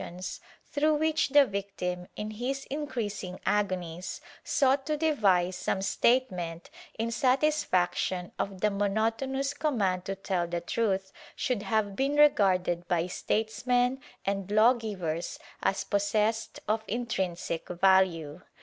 VII] RATIFICATION OF CONFESSION 27 through which the victim, in his increasing agonies, sought to devise some statement in satisfaction of the monotonous com mand to tell the truth, should have been regarded by statesmen and lawgivers as possessed of intrinsic value.